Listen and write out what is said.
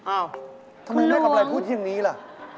อ้าวคุณหลวงทำไมไม่กับอะไรพูดอย่างนี้ล่ะ